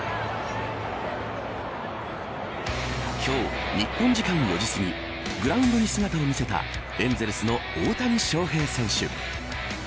今日、日本時間４時すぎグラウンドに姿を見せたエンゼルスの大谷翔平選手。